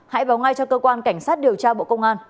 hãy báo ngay cho cơ quan cảnh sát điều tra bộ công an